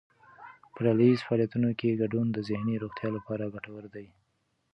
په ډلهییز فعالیتونو کې ګډون د ذهني روغتیا لپاره ګټور دی.